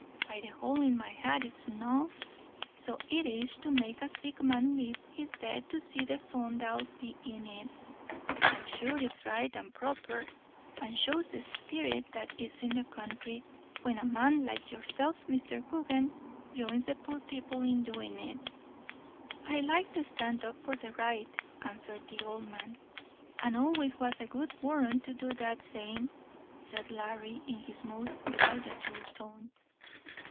By the hole in my hat it's enough, so it is, to make a sick man lave his bed to see the fun that'll be in it, and sure it's right and proper, and shows the sperit that's in the counthry, when a man like yourself, Mr. Coogan, joins the poor people in doin' it." "I like to stand up for the right," answered the old man. "And always was a good warrant to do that same," said Larry, in his most laudatory tone.